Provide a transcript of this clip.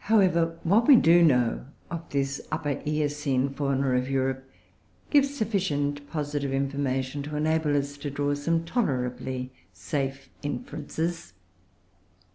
However, what we do know of this Upper Eocene Fauna of Europe gives sufficient positive information to enable us to draw some tolerably safe inferences.